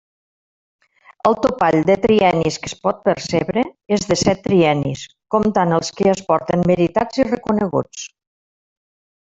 El topall de triennis que es pot percebre és de set triennis, comptant els que ja es porten meritats i reconeguts.